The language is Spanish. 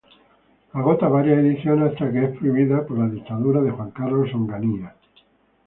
Agota varias ediciones hasta que es prohibida por la dictadura de Juan Carlos Onganía.